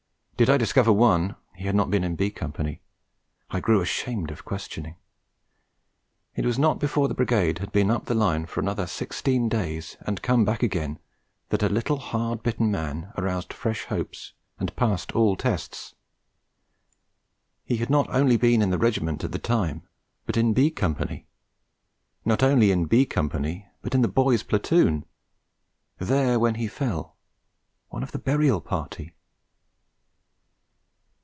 Did I discover one, he had not been in B Company. I grew ashamed of questioning. It was not before the Brigade had been up the Line for another sixteen days, and come back again, that a little hard bitten man aroused fresh hopes and passed all tests. He had not only been in the Regiment at the time, but in B Company; not only in B Company, but in the boy's Platoon; there when he fell; one of the burial party!